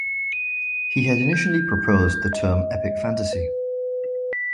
He had initially proposed the term "epic fantasy".